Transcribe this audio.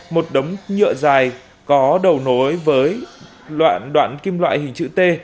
một đống nhựa dài có đầu nối với đoạn đoạn kim loại hình chữ t